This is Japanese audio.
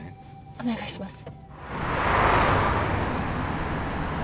お願いします。